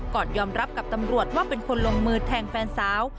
ก่อนยอมรับกับตำรวจว่าเป็นคนลงมือแทงแฟนสาว